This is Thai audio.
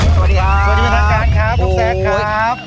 สวัสดีครับสวัสดีครับท่านศาสตร์